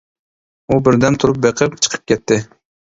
ئۇ بىردەم تۇرۇپ بېقىپ، چىقىپ كەتتى.